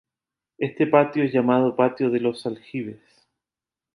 Este patio es llamado patio de los Aljibes.